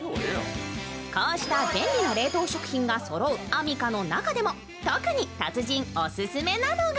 こうした便利な冷凍食品がそろうアミカの中でも特に達人オススメなのが